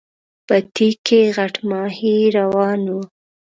بتۍ کې غټ ماهی روان و.